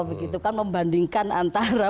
begitu kan membandingkan antara